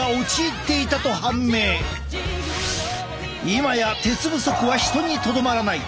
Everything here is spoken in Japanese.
今や鉄不足は人にとどまらない。